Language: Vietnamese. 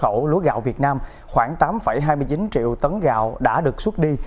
ngành xuất khẩu lúa gạo việt nam khoảng tám hai mươi chín triệu tấn gạo đã được xuất đi